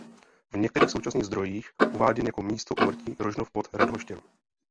V některých současných zdrojích uváděn jako místo úmrtí Rožnov pod Radhoštěm.